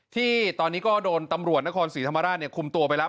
ที่ตอนนี้ก็โดนตำรวจนครศรีธรรมราชคุมตัวไปแล้ว